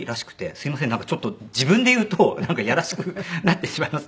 すみませんなんかちょっと自分で言うとなんかいやらしくなってしまいますけど。